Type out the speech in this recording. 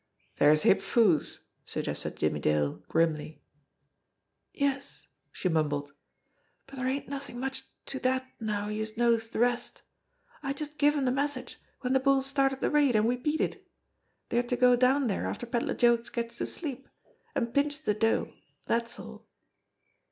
"There's Hip Foo's," suggested Jimmie Dale grimly. "Yes," she mumbled. "But dere ain't nothin' much to dat now youse knows de rest. I had just give 'em de message w'en de bulls started de raid, an' we beat it. Dey're to go down dere after Pedler Joe gets to sleep, an' pinch de dough dat's all."